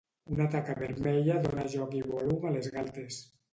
Una taca vermella dóna joc i volum a les galtes.